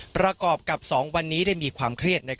ประกอบกับ๒วันนี้ได้มีความเครียด